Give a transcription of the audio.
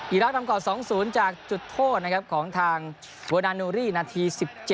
อรักษ์นำก่อน๒๐จากจุดโทษนะครับของทางโวนานูรี่นาที๑๗